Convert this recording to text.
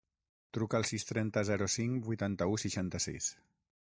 Truca al sis, trenta, zero, cinc, vuitanta-u, seixanta-sis.